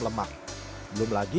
lemak belum lagi